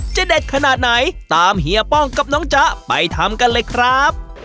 เด็ดขนาดไหนตามเฮียป้องกับน้องจ๊ะไปทำกันเลยครับ